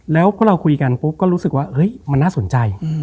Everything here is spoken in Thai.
แล้วพอเราคุยกันปุ๊บก็รู้สึกว่าเฮ้ยมันน่าสนใจ